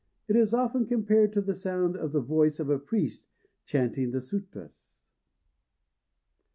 It is often compared to the sound of the voice of a priest chanting the sûtras.